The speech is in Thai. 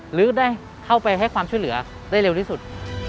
หรือได้เข้าไปให้ความช่วยเหลือได้เร็วที่สุด